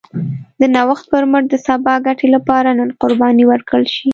د نوښت پر مټ د سبا ګټې لپاره نن قرباني ورکړل شي.